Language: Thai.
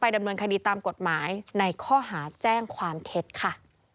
ดำเนินคดีตามกฎหมายในข้อหาแจ้งความเท็จค่ะ